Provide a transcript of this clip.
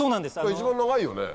一番長いよね。